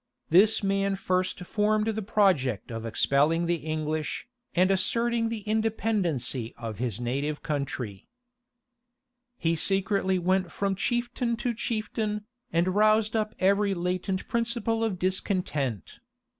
This man first formed the project of expelling the English, and asserting the independency of his native country.[*] * Nalson, vol. iii. p. 543. He secretly went from chieftain to chieftain, and roused up every latent principle of discontent.